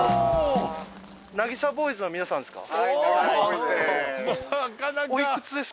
なぎさボーイズの皆さんですか？